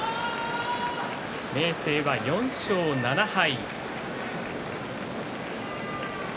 明生は４勝７敗。